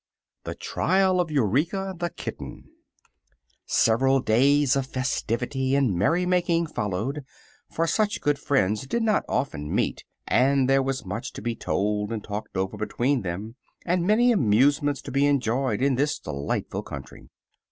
THE TRIAL OF EUREKA THE KITTEN Several days of festivity and merry making followed, for such old friends did not often meet and there was much to be told and talked over between them, and many amusements to be enjoyed in this delightful country.